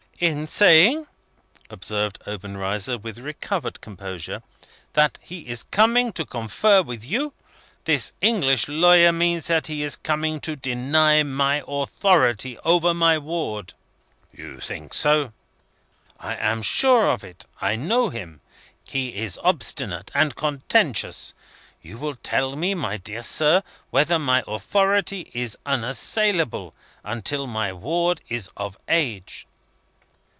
"In saying," observed Obenreizer, with recovered composure, "that he is coming to confer with you, this English lawyer means that he is coming to deny my authority over my ward." "You think so?" "I am sure of it. I know him. He is obstinate and contentious. You will tell me, my dear sir, whether my authority is unassailable, until my ward is of age?"